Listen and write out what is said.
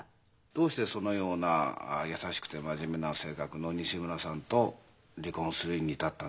どうしてそのような優しくて真面目な性格の西村さんと離婚するに至ったんでしょうか？